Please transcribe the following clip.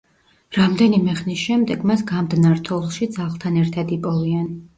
რამდენიმე ხნის შემდეგ მას გამდნარ თოვლში ძაღლთან ერთად იპოვიან.